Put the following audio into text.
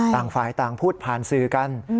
ต่างฝ่ายต่างพูดผ่านสื่อกัน